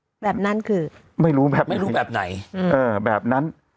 แบบนั้นคือไม่รู้แบบไม่รู้แบบไหนอืมเออแบบนั้น